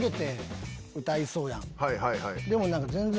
でも全然。